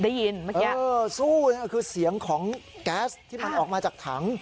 ได้ยินเมื่อกี้เออสู้นะคือเสียงของแก๊สที่มันออกมาจากถัง